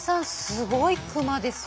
すごいクマですよ。